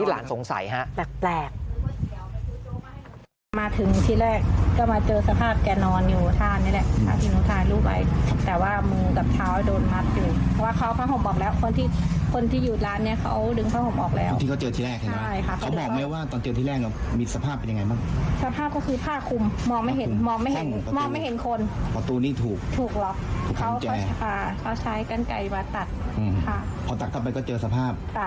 อันนี้หลานสงสัยฮะ